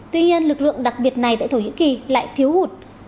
tuy nhiên lực lượng đặc biệt này tại thổ nhĩ kỳ lại thiếu hụt